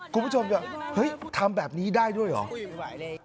คุณผู้ชมจะเฮ้ยทำแบบนี้ได้ด้วยเหรอ